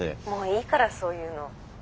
もういいからそういうの。